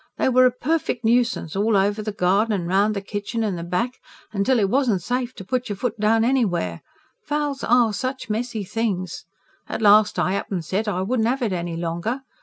They were a perfect nuisance, all over the garden and round the kitchen and the back, till it wasn't safe to put your foot down anywhere fowls ARE such messy things! At last I up and said I wouldn't have it any longer.